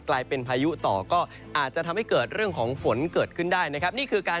กลายเป็นพายุต่อก็อาจจะทำให้เกิดเรื่องของฝนเกิดขึ้นได้นะครับนี่คือการ